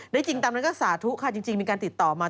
จริงตามนั้นก็สาธุค่ะจริงมีการติดต่อมา